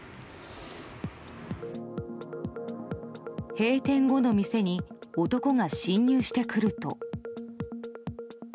閉店後の店に男が侵入してくると。